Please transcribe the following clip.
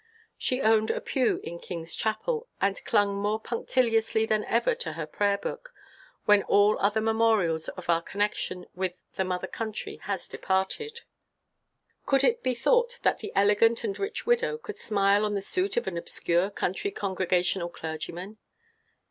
She owned a pew in King's Chapel, and clung more punctiliously than ever to her prayer book, when all other memorials of our connection with the mother country had departed. Could it be thought that the elegant and rich widow would smile on the suit of an obscure country Congregational clergyman?